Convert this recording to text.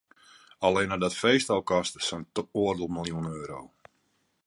Allinne dat feest al koste sa'n oardel miljoen euro.